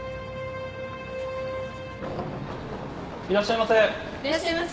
いらっしゃいませ。